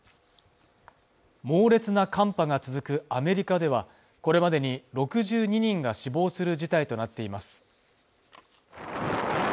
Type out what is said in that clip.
猛烈な寒波が続くアメリカではこれまでに６２人が死亡する事態となっています